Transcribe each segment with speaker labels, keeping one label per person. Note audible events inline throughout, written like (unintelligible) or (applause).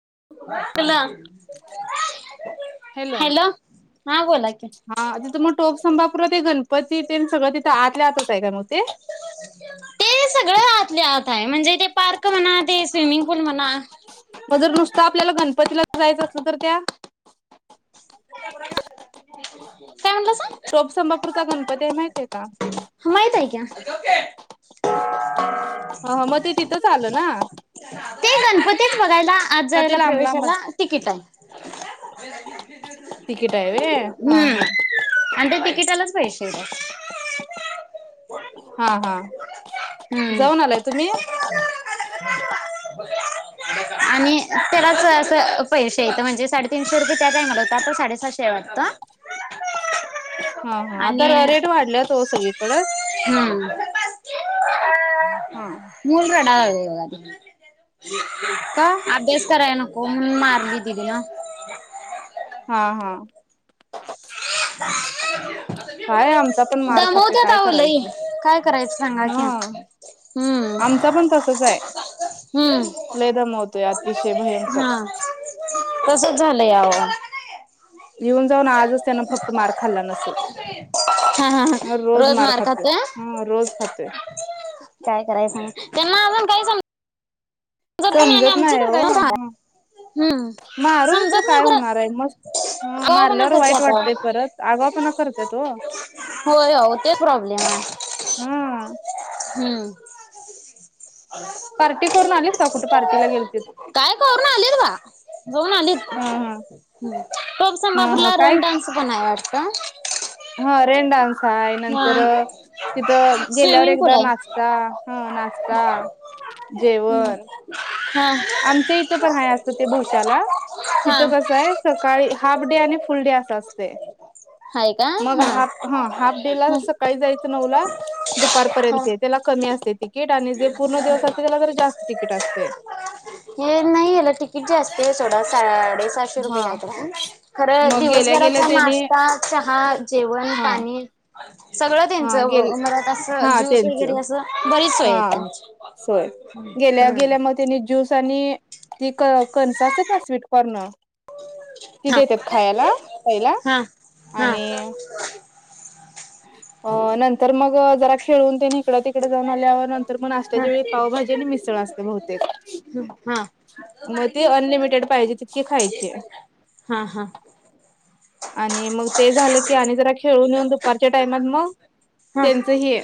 Speaker 1: (inaudible)
Speaker 2: Hello
Speaker 1: हा बोला की
Speaker 2: हा तिथ मग टोप संभपूर ते गणपती ते सगळं तिथं आतल्या आतच आहे का मग ते (inaudible)
Speaker 1: ते सगळ आहतले म्हणजे ते पार्क म्हणा ते स्विमिंग पूल म्हणा
Speaker 2: त आपल्याला गणपतीला जायचं असल तर त्या
Speaker 1: का म्ह दस
Speaker 2: टोप संंभपूरचा गणपती आहे माहतीय का
Speaker 1: माहित आहे का
Speaker 2: ह मग ते तिथंच
Speaker 1: (inaudible)
Speaker 2: आलं ना
Speaker 1: ते गणपतीत बघायला आज
Speaker 2: का ते
Speaker 1: जायला
Speaker 2: लांब लांब
Speaker 1: प्रवेशाला तिकिट आहे
Speaker 2: तिकीट आहे होय
Speaker 1: हम्म आणि ते तिकिटालाच पैसे
Speaker 2: हा हा
Speaker 1: हम्म
Speaker 2: जाऊन आलाय तुम्ही
Speaker 1: आणि त्यालाच अस पैसे येतं म्हणजे साडेतीीनशे रुपये त्या टाइम होत आता साडेसातशे वाटतं
Speaker 2: हा हा आता
Speaker 1: आणि
Speaker 2: रेट वाढल्या तो सगळीकडेच हा
Speaker 1: मनड योगा त
Speaker 2: का
Speaker 1: अभ्यास कराय नको मी मारली दिदी ना
Speaker 2: हा हा
Speaker 1: (inaudible)
Speaker 2: काय आमचा पण मार खाते
Speaker 1: दमवत्यात
Speaker 2: काय
Speaker 1: अहो लई
Speaker 2: करायचं
Speaker 1: काय करायचं सांगा की
Speaker 2: हा
Speaker 1: हम्म
Speaker 2: आमचा पण तसच आहे
Speaker 1: हम्म
Speaker 2: ले दमवतोय अतिशय भयंकर
Speaker 1: कस झालंय याव
Speaker 2: येऊन जाऊन आजच त्यान फक्त मार खाल्ला नसेल
Speaker 1: हा हा
Speaker 2: ह रोज मार खातो.. हा रोज खातोय.
Speaker 1: काय करायचं नाही, त्यांना अजून काही सांग- ज नाही आणि
Speaker 2: समजत
Speaker 1: आमची
Speaker 2: नाही
Speaker 1: ज
Speaker 2: हो
Speaker 1: का (unintelligible)
Speaker 2: ह
Speaker 1: हम्म
Speaker 2: मारून तर
Speaker 1: समजत
Speaker 2: काय
Speaker 1: नाहीतर,
Speaker 2: होणार आहे मग ह
Speaker 1: आघावपणा
Speaker 2: मारल्यावर
Speaker 1: करते
Speaker 2: वाईट वाटतय
Speaker 1: आता-
Speaker 2: परत आगावपणा करत्यात ओ
Speaker 1: होय, हो ते प्रॉब्लेम आहे.
Speaker 2: हा
Speaker 1: हम्म..
Speaker 2: पार्टी- करून आलीत का कुठ पार्टीला गे?
Speaker 1: काय करून आलीत बा? जाऊन आलीत,
Speaker 2: हा हा
Speaker 1: ह टोपसम
Speaker 2: हा हा
Speaker 1: बापूला
Speaker 2: काय
Speaker 1: रन डान्स पण आहे वाटत (inaudible)
Speaker 2: हा रेन डान्स आहेाय नंतर
Speaker 1: हा
Speaker 2: तिथं गेल्यावर
Speaker 1: स्विमिंग पूल
Speaker 2: एकदा
Speaker 1: आहे
Speaker 2: नाचता ह- नाश्ता, जेव-
Speaker 1: हम्..
Speaker 2: आमच्या इथं पण आहे असतं ते भोशाला- तिथं
Speaker 1: हा
Speaker 2: कसं आहे, सकाळी हाफ डे आणि फुल डे असं असत.
Speaker 1: आहे का?
Speaker 2: मग
Speaker 1: हा
Speaker 2: हाफ, हा हाफ डे ला
Speaker 1: हा.
Speaker 2: सकाळी जायचं नऊ ला
Speaker 1: हा
Speaker 2: दुपारपर्यंत त्याला कमी असते तिकीट. आणि जे पूर्ण दिवस असते, त्याला तर जास्त तिकीट असते.
Speaker 1: हे नाही याला तिकीट जास्त असत सोडा- साडेसशे रुपये,
Speaker 2: हा
Speaker 1: खर
Speaker 2: मग गेल्या
Speaker 1: दिवसभरा
Speaker 2: गेल्या त्याने
Speaker 1: नाश्ता, चहा, जेवण -
Speaker 2: हा
Speaker 1: पाणी सगळं त्यांच
Speaker 2: हा गेल
Speaker 1: मलात असं
Speaker 2: हा
Speaker 1: ज्यूस
Speaker 2: त्यांच
Speaker 1: वगैरे असं बरीच सोय-
Speaker 2: हा
Speaker 1: ह..
Speaker 2: सोय गेल्या
Speaker 1: हम्म..
Speaker 2: गेल्या मग त्यांनी ज्यूस आणि ती कणसाचा अस ना स्वीटकॉर्नर- ती
Speaker 1: हा
Speaker 2: देतात खायला पहिला
Speaker 1: हा हा
Speaker 2: आणि- अ नंतर मग जरा खेळून ते नाइकडं - डे जाऊन आल्यावर नंतर, मग
Speaker 1: हा.
Speaker 2: नाशत्याच्या वेळी पावभाजी आणि मिसळ असते बहुतेक,
Speaker 1: हा हा
Speaker 2: म ते अनलिमिटेड पाहिजे तितके खायचे.
Speaker 1: हा
Speaker 2: आणि मग ते झालं की आणि जरा खेळून यून ब पारच्या टायमात म त्यांच हे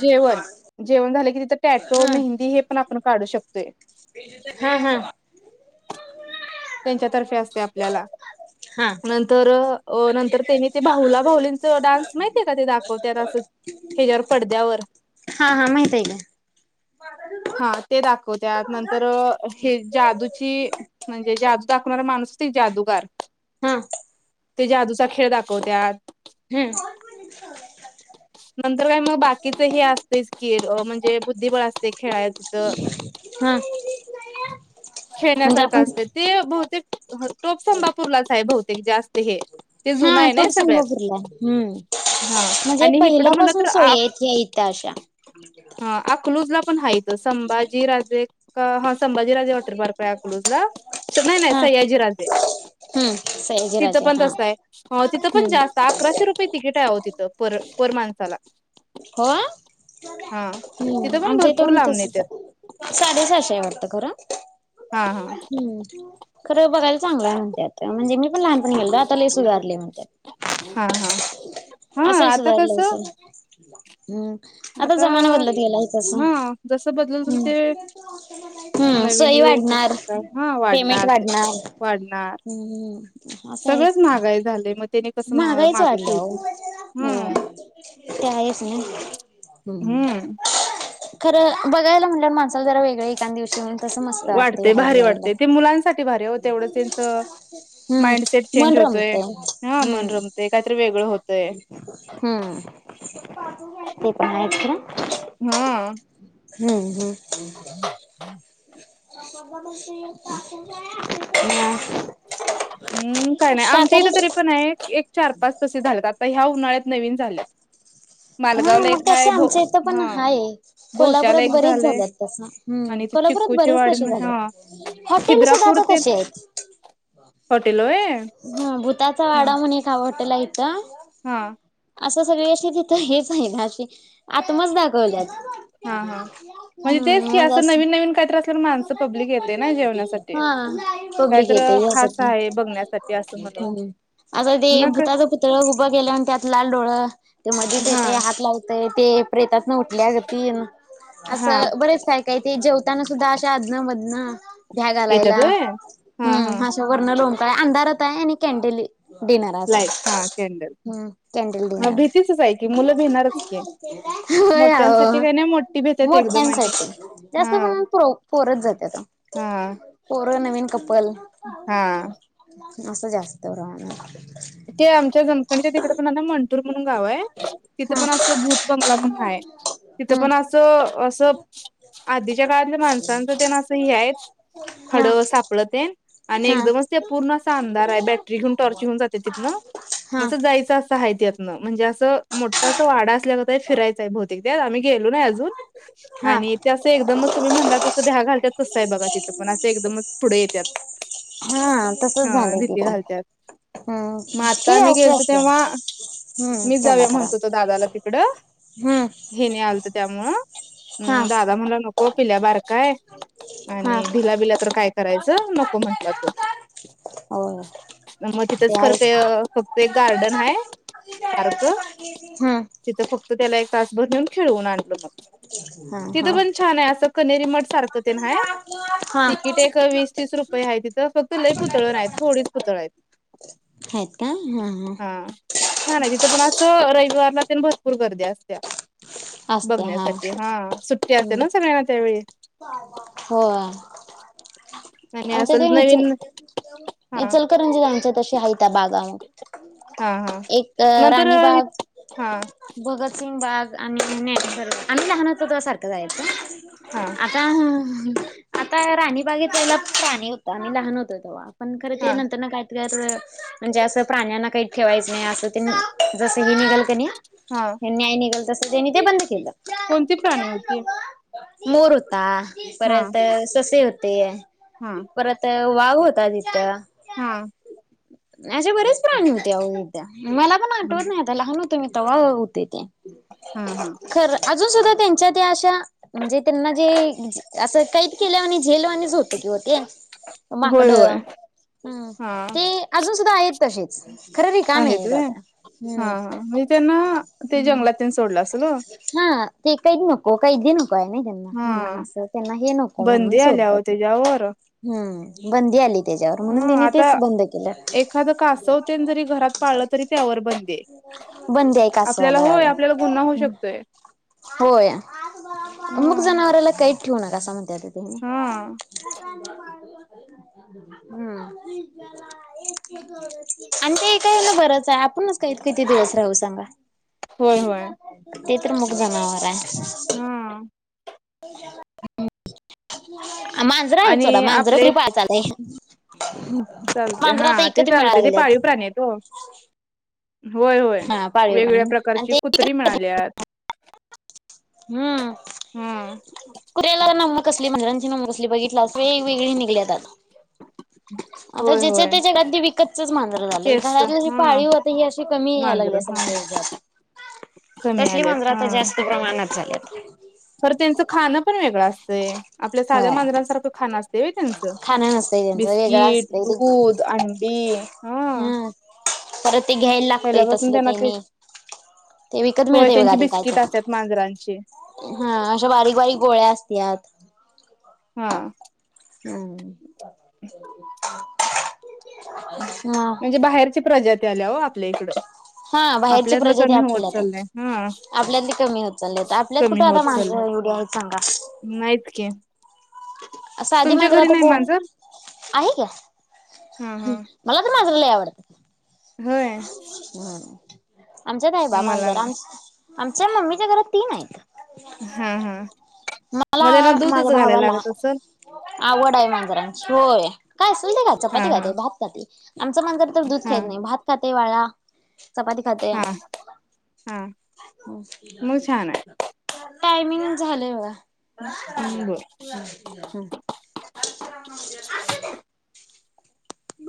Speaker 2: जेवण, जेवण झालं की तीत् टॅटो, मेहंदी हे पण आपण काढू शकतोय.
Speaker 1: हां-हां
Speaker 2: त्यांच्यातर्फे असते आपल्याला.
Speaker 1: हा
Speaker 2: नंतर अ नंतर त्यानी ते बाहुला भाहुलींच डान्स नई का ते दाखवत्यात असं हेज्यावर पडद्यावर.
Speaker 1: ते गं
Speaker 2: हां ते दाखवत्यात, नंतर हे जादूची म्हणजे जादू दाखवणारा माणूस ते जादूगार.
Speaker 1: हां
Speaker 2: ते जादूचा खेळ दाखवत्यात.
Speaker 1: हम्म
Speaker 2: नंतर काय मग बाकीचं हे अस्तयंच की, म्हणजे बुद्धिबळ अस ते खेळाय तितं.
Speaker 1: हा म्हणजे
Speaker 2: खेळण्यासारखं
Speaker 1: आपण
Speaker 2: असते. ते बहुतेक टोप संंबापूरलाच आय बहुतेक जास्त. ते हे, ते जुनं
Speaker 1: हा
Speaker 2: आय नई
Speaker 1: टोप
Speaker 2: सगळ्यात.
Speaker 1: संभापूरला हम्म
Speaker 2: हां,
Speaker 1: म्हणजे
Speaker 2: आणि हिकडं म्हनं
Speaker 1: पहिल्यापासून
Speaker 2: तर आ
Speaker 1: सोयी आहेत या इथं अशा
Speaker 2: हां अकलूजला पण हाईत, संभाजीराजे क हां संभाजी तर बारपय अकलूजला? स नई नई
Speaker 1: हा
Speaker 2: सयाजी राजे.
Speaker 1: हम्म
Speaker 2: तितं
Speaker 1: सयाजीराजे
Speaker 2: पण
Speaker 1: हा
Speaker 2: तसं आय. हं तित पण
Speaker 1: हम्म
Speaker 2: जास्त आय. अकराशे रुपये तिकीट आय आओ तिथं पर पर माणसाला.
Speaker 1: हां?
Speaker 2: हा
Speaker 1: हम्म
Speaker 2: तिथं
Speaker 1: आमच्या ईतं
Speaker 2: भरपूर
Speaker 1: पण
Speaker 2: लांबून
Speaker 1: तसच
Speaker 2: येतात
Speaker 1: आय. साडे सहाशे आय वाटतं खरं.
Speaker 2: हा हा
Speaker 1: हम्म्म, खरं बघायला चांगलाय म्हणत्यात. म्हणजे मी पण लहानपण गेलतं आता लय सुधारलंय म्हणत्यात. (inaudible)
Speaker 2: (inaudible)
Speaker 1: असेल
Speaker 2: हा आता
Speaker 1: सुधारलं
Speaker 2: कसं
Speaker 1: असं. हम्म, आता जमाना बदलत गेला आहे तसं‌.
Speaker 2: हा जसं बदलल तसं
Speaker 1: हम्
Speaker 2: ते
Speaker 1: हम्म.
Speaker 2: नवीन
Speaker 1: सोय
Speaker 2: युग
Speaker 1: वाढणार,
Speaker 2: नवीन काय हा
Speaker 1: पेमेंट
Speaker 2: ते
Speaker 1: वाढणार.
Speaker 2: वाढणार
Speaker 1: असं आहेच
Speaker 2: सगळंच
Speaker 1: की.
Speaker 2: महागाई झालंय मग त्याने कसं महा
Speaker 1: महागाईच
Speaker 2: मागं
Speaker 1: वाढल्या आओ.
Speaker 2: ठेवतील
Speaker 1: हां,
Speaker 2: हम्म
Speaker 1: ते आहेच ना. हम्म. खरं बघायला म्हटलं माणसाला जरा वेगळं एकांदिवशी म्हण
Speaker 2: वाटते भारी वाटते. ते मुलांसाठी भारी आय ओ तेवढंच त्यांच
Speaker 1: हम्म
Speaker 2: माइंडसेट
Speaker 1: मन
Speaker 2: चेंज तय,
Speaker 1: रमतय.
Speaker 2: हां
Speaker 1: हम्म
Speaker 2: मन रमते, कायतरी वेगळं होत
Speaker 1: हम्म, ते पण आएत का?
Speaker 2: हां
Speaker 1: हम्-हम् (unintelligible)
Speaker 2: हम्म काय नाही, आमच्या इथं तरी पण आहे एक चार पाच तसे झालेत आत् तर ह्या उन्हाळ्यात नवीन झाल्यात.
Speaker 1: हां म तसं आमच्या इथं पण हाय. कोल्हापुरात
Speaker 2: भोशाला एक
Speaker 1: बरेच
Speaker 2: झालंय
Speaker 1: झाल्यात तसं. हम्
Speaker 2: आणि ते
Speaker 1: कोल्हा रत
Speaker 2: चिक्कूची
Speaker 1: बरेच
Speaker 2: वाडी
Speaker 1: तसे
Speaker 2: म्हणून हा
Speaker 1: झाल्यात. हॉटेल सुद्धा
Speaker 2: खिद्रापूर
Speaker 1: आता
Speaker 2: ते
Speaker 1: तसे आएत.
Speaker 2: हॉटेल होय
Speaker 1: हं भूताचा
Speaker 2: हा
Speaker 1: वाडा म्हणे खावा हटेल आयेत.
Speaker 2: हा
Speaker 1: आसं सगळं (unintelligible) हेच आहे घाते तमज दाखवल्यात.
Speaker 2: हा हा म्हणजे तेच
Speaker 1: हम्म
Speaker 2: की
Speaker 1: मंजे असं,
Speaker 2: नवीन नवीन काहीतरी असल्या माणसं पब्लिक येते ना जेवणासाठी
Speaker 1: हां पब्लिके.
Speaker 2: काहीतर
Speaker 1: तेही
Speaker 2: खास
Speaker 1: असं
Speaker 2: आहे बघण्यासाठी असं म्हणून
Speaker 1: (unintelligible) आता ते
Speaker 2: मग
Speaker 1: भूताचं पुतळं उभं केलं अन त्यात लाल डोळं मजेत
Speaker 2: हा
Speaker 1: येते हात लावतय ते प्रेतात न उठल्यागती
Speaker 2: हा
Speaker 1: असं बरेच काय काय ते जेवताना सुद्धा अशा आजनं मधनं भ्या
Speaker 2: येतात
Speaker 1: घालायला
Speaker 2: होय हा हा
Speaker 1: हम् अशा वण लोंकाळ अंधारत आहे आणि कॅनडेल डिनर अस
Speaker 2: लाईट हा कॅन्डल
Speaker 1: हम्म कॅनडल
Speaker 2: ह
Speaker 1: डिनर
Speaker 2: भीतीचच आहे की
Speaker 1: हो
Speaker 2: मुलं भिणारच की मोठ्यांसाठी काय नाही मोठी
Speaker 1: म
Speaker 2: भेतात
Speaker 1: ट सा
Speaker 2: एकदम आणि
Speaker 1: जास्त त जात
Speaker 2: हा
Speaker 1: आ
Speaker 2: हा
Speaker 1: पु नवीन कपल
Speaker 2: हा
Speaker 1: असं जास्त प्रहण
Speaker 2: ते आमच्या जमखणीच्या तिकड पण ना मणटूर म्हणून गाव आहे तिथं
Speaker 1: हा
Speaker 2: पण असं भूत बंगला म्हण हय तिथं
Speaker 1: हम्म
Speaker 2: पण असं असं आधीच्या काळातल्या माणसांचं ते नां ह आहेत हड
Speaker 1: हा
Speaker 2: सापडते आणि
Speaker 1: हा
Speaker 2: एकदमच ते पूर्ण अस अमदार आहे बॅटरी घेऊन टॉर्च घेऊन जात ति
Speaker 1: हा
Speaker 2: अस जायचं असं आहेत म्हणजे मोठा वाडा असल्या फिरायच आहे भतेक आम्ही गेलो ना अजून
Speaker 1: हा
Speaker 2: आणि ते असं एकदमच तुम्ही म्हणला तसं द्या घालत तचसं आहे बघा तिथं पण असं एकदमच पुढे येतात
Speaker 1: हा तसच
Speaker 2: हा
Speaker 1: झालंय ते
Speaker 2: भीती
Speaker 1: पण
Speaker 2: घालतात
Speaker 1: हम्म
Speaker 2: मग आता
Speaker 1: ती
Speaker 2: मी
Speaker 1: अशी
Speaker 2: गेलतो
Speaker 1: असत्या
Speaker 2: तेव्हा
Speaker 1: हम्म
Speaker 2: मी
Speaker 1: त्याला
Speaker 2: जाऊया
Speaker 1: करा
Speaker 2: म्हणतो तो दादाला तिकड
Speaker 1: हम्म
Speaker 2: हे न आज त्यामु
Speaker 1: हा
Speaker 2: दादा म्हला नको पिल्या बार काय
Speaker 1: हा
Speaker 2: आणि भिला बिला तर कायच करायच नको म्हंटला तो
Speaker 1: होय
Speaker 2: मग मग तिथच
Speaker 1: ते
Speaker 2: फत
Speaker 1: आहेच
Speaker 2: फक्त गार्डन है पार्क
Speaker 1: हम्म
Speaker 2: तिथं फक्त त्याला एक तासभर नेऊन खेळवून आणल म
Speaker 1: हा
Speaker 2: तिथं
Speaker 1: हा
Speaker 2: पण छान आहे असं कनेरी म सारख ना
Speaker 1: हा
Speaker 2: तिकीट ए वीस तीस रुपये आहे तिथं फक्त लयई पुतळं नाही थोडीच पुतळे आहेत
Speaker 1: आहेत का हा
Speaker 2: हा छान आहे तिथं पण असं रविवारला ते भरपूर गर्दी बघण्यासाठी हा सुट्टी असते ना सगळ्यांना त्यावेळी
Speaker 1: हो
Speaker 2: आणि
Speaker 1: आमच्या ते
Speaker 2: असं नवीन
Speaker 1: ईचल
Speaker 2: हा
Speaker 1: इचलकरनजी म्हदे आमच्या तशी आहेत त्या बागामग
Speaker 2: हा हा
Speaker 1: एक
Speaker 2: नंतर
Speaker 1: राणीबाग
Speaker 2: हा
Speaker 1: भगतसिंग बाग आणि न्याणेश्वर भाग आणि लहान सारखं जायच
Speaker 2: हा
Speaker 1: आता आता राणी बागितेतल्याला प्राणी होतं आणि लहान होतं तेव्हा आपण खरं ते
Speaker 2: हा
Speaker 1: नंतर ना काय म्हणजे असं प्राण्यांना काहीच ठेवायचं नाही असं ते जसही निघल का नाही हे न्याय निघाल तस त्यांनी ते बंद केलं
Speaker 2: कोणती प्राणी होती
Speaker 1: मोर होता
Speaker 2: हा
Speaker 1: परत ससे होते परत वाघ होता तिथं
Speaker 2: हम
Speaker 1: असे बरेच प्राणी होते हुद्या मला पण
Speaker 2: हा
Speaker 1: आठवत नाही आता लहान होत मी त होते ते
Speaker 2: हा हा
Speaker 1: खरं अजून सुद्धा त्यांच्या त्या अशा म्हणजे त्यांना जे असं कैद केल्या वाणी झेलवानीच होत कि ते
Speaker 2: होय होय
Speaker 1: माकडं
Speaker 2: हा
Speaker 1: ते अजून सुद्धा आहेत तसेच खरर रीकाम आहे
Speaker 2: आहेत व्हय
Speaker 1: आता हम्म
Speaker 2: हा म्हणजे त्यांना ते जंगलात सोडलं असत
Speaker 1: हा ते कैद नको कैदी नको य ना त्यांना
Speaker 2: हा
Speaker 1: म्हणून असं त्यांना हे नको
Speaker 2: बंदी
Speaker 1: म्हणून
Speaker 2: आल्या
Speaker 1: सोडलं
Speaker 2: ओ
Speaker 1: ते
Speaker 2: त्याच्यावर
Speaker 1: हम्म बंदी आली त्याच्यावर म्हणून
Speaker 2: हा
Speaker 1: त्यांनी
Speaker 2: आता
Speaker 1: तेच बंद
Speaker 2: एखादं
Speaker 1: केलं
Speaker 2: कासव तेन जरी घरात पाळलं तरी त्यावर बंदी आहे
Speaker 1: बंदी आहे
Speaker 2: आपल्याला
Speaker 1: कासवाला
Speaker 2: होय आपल्याला गुन्हा होऊ शकतोय
Speaker 1: होय अमुक
Speaker 2: हं
Speaker 1: जनावरला कय. क ठेउ नंकासा म्हनत्यात ओ तेनी.
Speaker 2: हा (inaudible)
Speaker 1: आणि ते एकला बरंच आहे आपणच. कहीत किती दिवस राहू सांगा
Speaker 2: होय होय
Speaker 1: ते तर मग जनावर आहे.
Speaker 2: हम्म.
Speaker 1: मांजरं आहे सोडा
Speaker 2: आणि
Speaker 1: मांजर
Speaker 2: आपले
Speaker 1: कुत्री पाळ चालय.
Speaker 2: चालते
Speaker 1: मनजर
Speaker 2: हा
Speaker 1: आता
Speaker 2: ते
Speaker 1: वीकत मिळायला
Speaker 2: चालते ते
Speaker 1: लागळ्यात.
Speaker 2: पाळीव प्राणी आहेत ओ होय होय वेगवेगळ्या
Speaker 1: आणि
Speaker 2: प्रकारची कुत्री
Speaker 1: ते
Speaker 2: मिळाल्यात.
Speaker 1: हम्म
Speaker 2: हं
Speaker 1: कुऱ्यालाला ना कसली म्हणरांज म् कसली बघितला अस. वेगवेगळी निघल्यातात.
Speaker 2: (inaudible)
Speaker 1: आता ज्याच्या त्याच्या अगदी विकतचच मांजर झालंय
Speaker 2: केस
Speaker 1: घरातलं जी
Speaker 2: हा
Speaker 1: पाळी होत ही अशी कमी याला
Speaker 2: मांजर
Speaker 1: लागली असं
Speaker 2: हा
Speaker 1: म्हटजे आता
Speaker 2: (inaudible) कमी
Speaker 1: तसली
Speaker 2: आल्यात
Speaker 1: मांजरता
Speaker 2: हा
Speaker 1: जास्त प्रमाणात झालीत.
Speaker 2: खरं त्यांचं खाणं पण वेगळं आपल्या साध्या
Speaker 1: होय
Speaker 2: मांजरांसारखं खाणं असते त्यांचं.
Speaker 1: खाणं नसतंय त्यांचं वेगळं
Speaker 2: बिस्किट
Speaker 1: असतंय ते
Speaker 2: दूध अंडी हा.
Speaker 1: हम्म परत ते घ्यायला लागतय
Speaker 2: पहिल्यापासून
Speaker 1: तसल
Speaker 2: त्यांना ते
Speaker 1: तेनी ते विकत
Speaker 2: होय
Speaker 1: मिळते बघा
Speaker 2: त्यांची
Speaker 1: ते काय टे
Speaker 2: बिस्किट असतात मांजरांची
Speaker 1: हा अशा बारीक बारीक गोळ्या असतत.
Speaker 2: हा.
Speaker 1: हम्म. हा
Speaker 2: म्हणजे बाहेरची प्रजाती आल्या हो आपल्या इकडं.
Speaker 1: हा बाहेरची
Speaker 2: आपल्यातलं
Speaker 1: प्रजाती
Speaker 2: कमी होत
Speaker 1: आपल्यात
Speaker 2: चाललंय हा
Speaker 1: आपल्यातली कमी होत चालली आपल्यात कुठे आता मांजर पुडे हायत सांगा.
Speaker 2: नाइतकी.
Speaker 1: साधी मांजर आता कोण.
Speaker 2: मांजर
Speaker 1: आहे का
Speaker 2: हा हा
Speaker 1: मला तर मांजरआवडत्यात.
Speaker 2: होय
Speaker 1: हम्म आमच्यात हाई बा
Speaker 2: मला
Speaker 1: मांजर आम
Speaker 2: नाही
Speaker 1: आमच्या मम्मीच्या घरात तीन हायत.
Speaker 2: हा हा मग
Speaker 1: मला
Speaker 2: त्यांना दूधच घालायला लागत असल.
Speaker 1: ह आवड हाय मंजरा ची. होय काय असलं ते खा
Speaker 2: हा
Speaker 1: चपाती
Speaker 2: हा
Speaker 1: खाते भात खाते आमच मांजर तर दूध खायत
Speaker 2: हा
Speaker 1: नाही भात, - ते वडा. चपाती खाते.
Speaker 2: हा हा मग छान आहे
Speaker 1: टायमिंगच झालंय ओ.
Speaker 2: बर
Speaker 1: हो.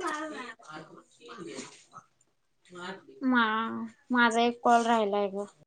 Speaker 1: ब (unintelligible) मा माझा एक कॉल राहिला आहे ग.